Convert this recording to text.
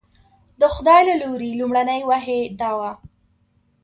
د خدای له لوري لومړنۍ وحي دا وه.